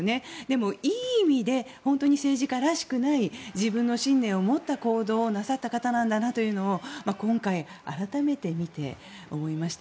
でも、いい意味で本当に政治家らしくない自分の信念を持った行動をなさった方なんだなというのを今回、改めて見て思います。